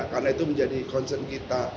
karena itu menjadi konsen kita